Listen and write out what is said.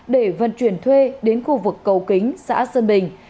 để vận chuyển thuê đến khu vực cầu kính xã sơn bình